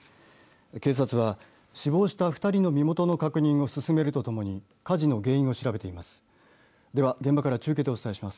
警察は、死亡した２人の身元の確認を進めるとともに火事の原因を調べています。